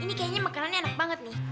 ini kayaknya makanannya enak banget nih